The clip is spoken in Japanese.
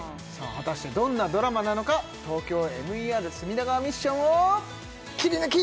果たしてどんなドラマなのか「ＴＯＫＹＯＭＥＲ隅田川ミッション」をキリヌキ！